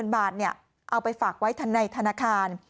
๘๐๐๐๐บาทเนี่ยเอาไปฝากไว้ในธนาคาร